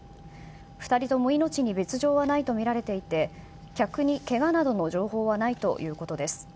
２人とも命に別条はないとみられていて客に、けがなどの情報はないということです。